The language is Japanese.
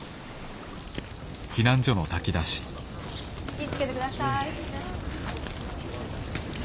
気ぃ付けてください。